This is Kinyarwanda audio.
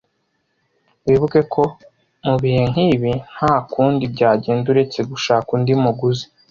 Wibuke ko, mubihe nkibi, nta kundi byagenda uretse gushaka undi muguzi.